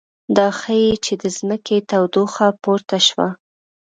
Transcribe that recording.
دا ښيي چې د ځمکې تودوخه پورته شوه